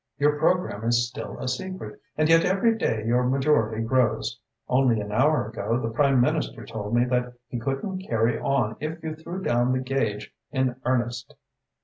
Your programme is still a secret and yet every day your majority grows. Only an hour ago the Prime Minister told me that he couldn't carry on if you threw down the gage in earnest."